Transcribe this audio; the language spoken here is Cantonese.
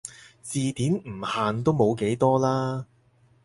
字典唔限都冇幾多啦